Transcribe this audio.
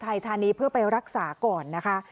ไทยธานีเพื่อไปรักษาก่อนนะคะ